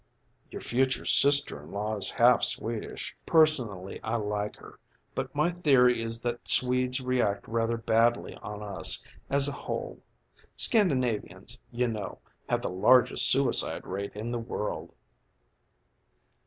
"Your future sister in law is half Swedish. Personally I like her, but my theory is that Swedes react rather badly on us as a whole. Scandinavians, you know, have the largest suicide rate in the world."